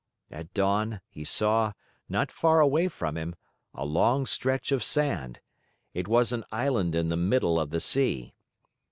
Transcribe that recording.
At dawn, he saw, not far away from him, a long stretch of sand. It was an island in the middle of the sea.